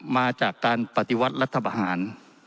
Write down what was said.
มาจากการปฏิวัติรัฐประหาร